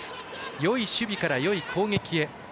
よい守備からよい攻撃へ。